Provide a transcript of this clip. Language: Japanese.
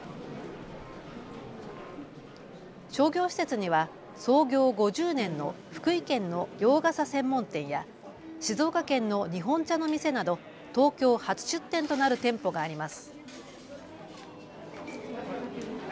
商業施設には創業５０年の福井県の洋傘専門店や静岡県の日本茶の店など東京初出店となる店舗があります。